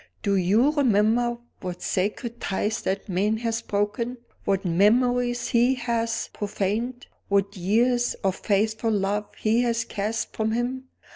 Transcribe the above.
"Do you remember what sacred ties that man has broken? what memories he has profaned? what years of faithful love he has cast from him?